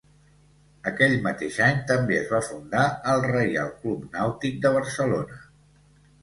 Aquell mateix any també es va fundar el Reial Club Nàutic de Barcelona.